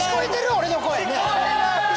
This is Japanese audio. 俺の声。